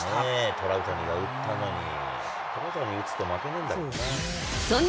トラウトも打ったのに、トラウタニ打つと負けないんだけどな。